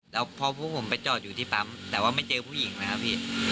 แล้วพอพวกผมไปจอดอยู่ที่ปั๊มแต่ว่าไม่เจอผู้หญิงนะครับพี่